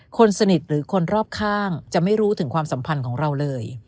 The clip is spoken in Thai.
คนสนิทหรือคนรอบข้างจะไม่รู้ถึงความสัมพันธ์ของเราเลย